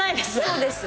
そうです。